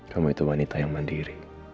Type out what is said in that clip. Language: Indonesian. kamu itu wanita yang mandiri